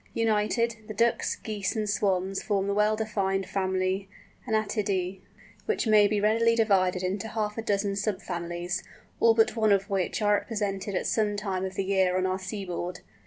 United, the Ducks, Geese, and Swans form the well defined family Anatidæ, which may be readily divided into half a dozen sub families, all but one of which are represented at some time of the year on our seaboard.